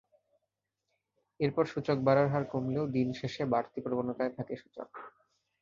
এরপর সূচক বাড়ার হার কমলেও দিন শেষে বাড়তি প্রবণতায় থাকে সূচক।